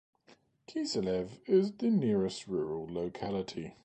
Kiselev is the nearest rural locality.